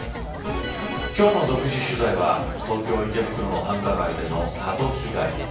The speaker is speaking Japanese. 今日の独自取材は東京、池袋の繁華街でのハト被害。